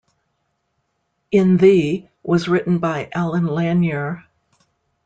"In Thee" was written by Allen Lanier.